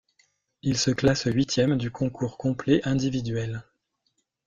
Il se classe huitième du concours complet individuel.